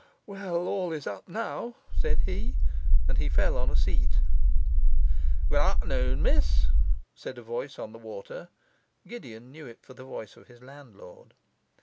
'Well, all is up now,' said he, and he fell on a seat. 'Good afternoon, miss,' said a voice on the water. Gideon knew it for the voice of his landlord.